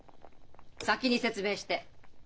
先に説明して。